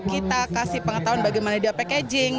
kita kasih pengetahuan bagaimana dia packaging